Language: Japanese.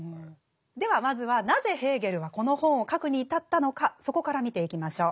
ではまずはなぜヘーゲルはこの本を書くに至ったのかそこから見ていきましょう。